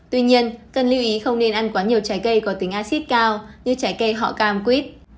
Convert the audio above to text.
tuy nhiên cần lưu ý không nên ăn quá nhiều trái cây có tính acid cao như trái cây họ cam quýt